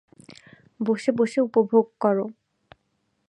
বসে বসে উপভোগ করো।